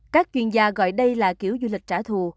các chuyên gia gọi đây là kiểu du lịch trả thù